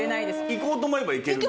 行こうと思えば行けるの？